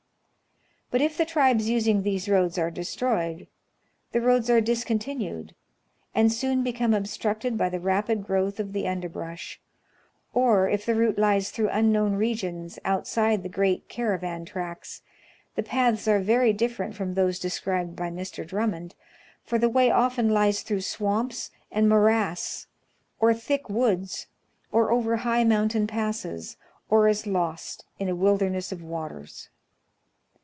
But if the tribes using these roads are destroyed, the roads are discontinued, and soon become obstructed by the rapid growth of the underbrush; or, if the route lies through unknown regions outside the great caravan tracks, the paths are very different from those desci'ibed by Mr. Drummond, for the way often lies through swamps and morass, or thick woods, or over high moun tain passes, or is lost in a wilderness of waters.